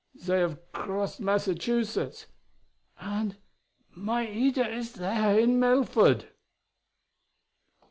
"They have crossed Massachusetts! And Maida is there in Melford!"